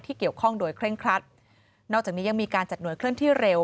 เกี่ยวข้องโดยเคร่งครัดนอกจากนี้ยังมีการจัดหน่วยเคลื่อนที่เร็ว